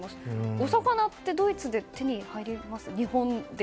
お魚ってドイツで手に入ります？